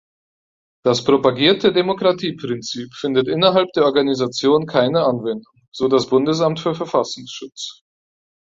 Das propagierte Demokratieprinzip findet innerhalb der Organisation keine Anwendung, so das Bundesamt für Verfassungsschutz.